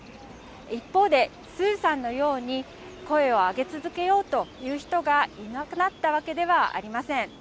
一方で、鄒さんのように声を上げ続けようという人がいなくなったわけではありません。